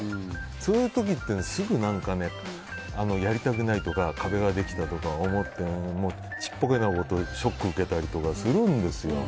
そういう時ってすぐやりたくないとか壁ができたとか思ってちっぽけなことにショックを受けたりとかするんですよ。